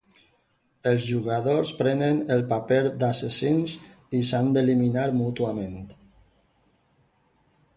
Els jugadors prenen el paper d'assassins i s'han d'eliminar mútuament.